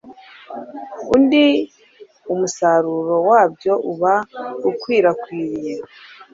undi, umusaruro wabyo uba ukwirakwiriye